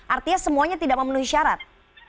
artinya semuanya tidak memenuhi syarat